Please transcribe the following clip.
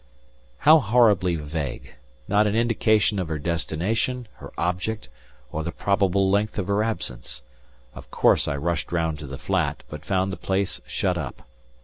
How horribly vague; not an indication of her destination, her object, or the probable length of her absence. Of course I rushed round to the flat, but found the place shut up.